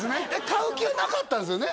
買う気はなかったんですよね？